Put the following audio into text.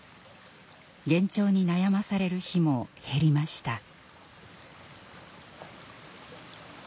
幻聴に悩まされる日も減りました。